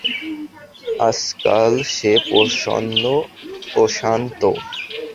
আজকাল সে প্রসন্ন প্রশান্ত।